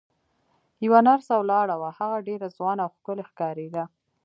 یوه نرسه ولاړه وه، هغه ډېره ځوانه او ښکلې ښکارېده.